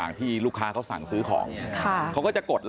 มันต้องการมาหาเรื่องมันจะมาแทงนะ